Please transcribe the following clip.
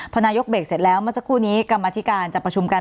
พอนายกเบรกเสร็จแล้วเมื่อสักครู่นี้กรรมธิการจะประชุมกัน